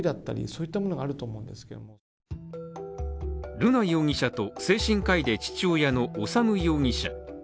瑠奈容疑者と精神科医で父親の修容疑者。